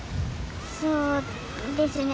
そうですね。